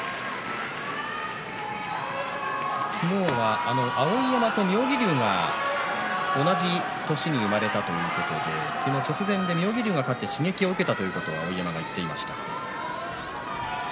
昨日は碧山と妙義龍が同じ年に生まれたということで昨日、直前で妙義龍が勝って刺激を受けたということを碧山も言ってました。